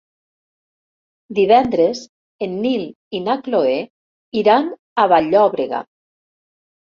Divendres en Nil i na Cloè iran a Vall-llobrega.